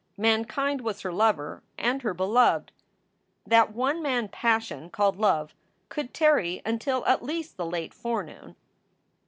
Mankind was her lover and her beloved. That one man passion called love could tarry until at least the late forenoon.